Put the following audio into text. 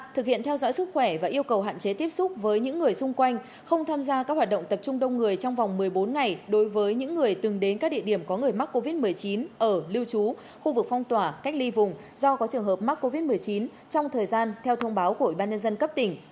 thực hiện theo dõi sức khỏe và yêu cầu hạn chế tiếp xúc với những người xung quanh không tham gia các hoạt động tập trung đông người trong vòng một mươi bốn ngày đối với những người từng đến các địa điểm có người mắc covid một mươi chín ở lưu trú khu vực phong tỏa cách ly vùng do có trường hợp mắc covid một mươi chín trong thời gian theo thông báo của ủy ban nhân dân cấp tỉnh